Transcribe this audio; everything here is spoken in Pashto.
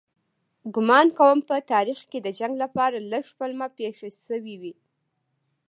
ګومان کوم په تاریخ کې د جنګ لپاره لږ پلمه پېښه شوې وي.